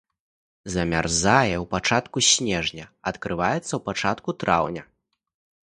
Замярзае ў пачатку снежня, адкрываецца ў пачатку траўня.